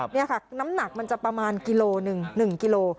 นี่ค่ะน้ำหนักมันจะประมาณกิโลหนึ่ง๑กิโล